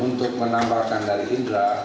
untuk menambahkan dari indra